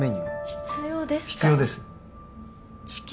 必要ですか？